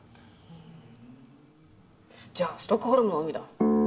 じゃあストックホルムの海だ。